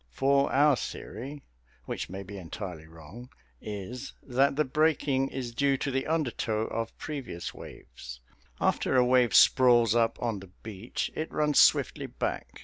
For our theory which may be entirely wrong is that the breaking is due to the undertow of previous waves. After a wave sprawls up on the beach, it runs swiftly back.